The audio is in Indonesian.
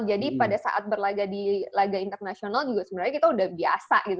jadi pada saat berlagak di lagak internasional juga sebenarnya kita udah biasa gitu